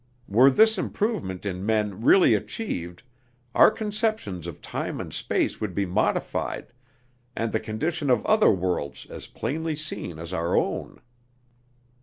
Were this improvement in men really achieved, our conceptions of time and space would be modified, and the condition of other worlds as plainly seen as our own."